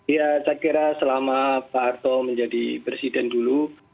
ya saya kira selama pak harto menjadi presiden dulu